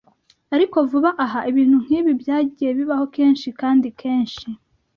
ariko vuba aha ibintu nkibi byagiye bibaho kenshi kandi kenshi